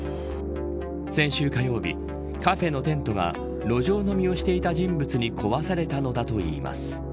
先週火曜日カフェのテントが路上飲みをしていた人物に壊されたのだといいます。